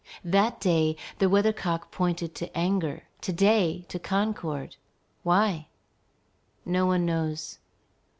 That day, the weather cock pointed to anger; to day to concord. Why? No one knows.